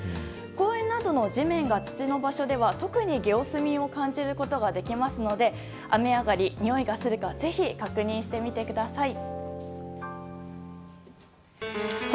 公園などの地面が土の場所では特に、ゲオスミンを感じることができますので雨上がり、においがするかぜひ確認してみてください。